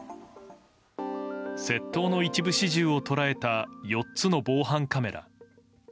窃盗の一部始終を捉えた４つの防犯カメラ。